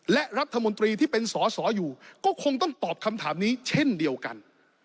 และรัฐมนตรีที่เป็นสอสออยู่ก็คงต้องตอบคำถามนี้เช่นเดียวกัน